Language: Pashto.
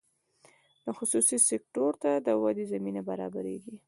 خصوصي سکتور ته د ودې زمینه برابریږي.